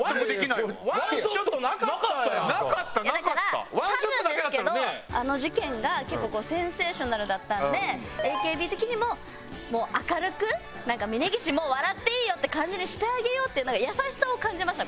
いやだから多分ですけどあの事件が結構センセーショナルだったのでＡＫＢ的にももう明るく峯岸もう笑っていいよって感じにしてあげようって優しさを感じました